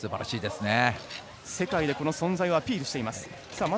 世界で、その存在をアピールしています。